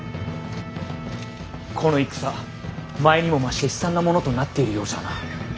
この戦前にも増して悲惨なものとなっているようじゃな。